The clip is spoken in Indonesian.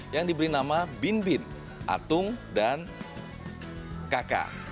yang diberi nama bin bin atung dan kk